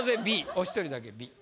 お一人だけＢ。